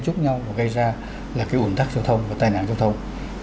chút nhau và gây ra là cái ổn thắc giao thông và tai nạn giao thông